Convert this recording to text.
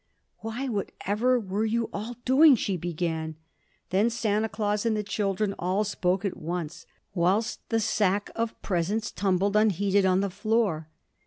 "Why, whatever were you all doing?" she began. Then Santa Claus and the children all spoke at once whilst the sack of presents tumbled unheeded on the floor.